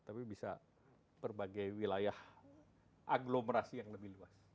tapi bisa berbagai wilayah aglomerasi yang lebih luas